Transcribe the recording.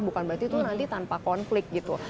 bukan berarti itu nanti tanpa konflik gitu